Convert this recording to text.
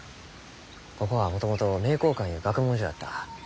ここはもともと名教館ゆう学問所やった。